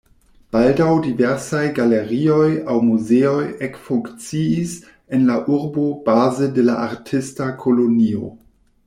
Baldaŭ diversaj galerioj aŭ muzeoj ekfunkciis en la urbo baze de la artista kolonio.